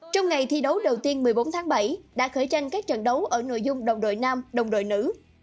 trong ngày thi đấu đầu tiên một mươi bốn tháng bảy đã khởi tranh các trận đấu ở nội dung đồng đội nam đồng đội nữ